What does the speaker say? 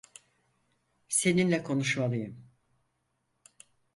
Seninle konuşmalıyım.